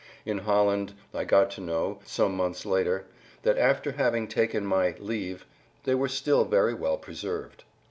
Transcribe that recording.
In Holland I got to know, some months later, that after having taken my "leave" they were still very well preserved.